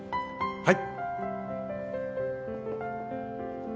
はい。